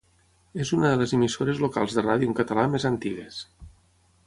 És una de les emissores locals de ràdio en català més antigues.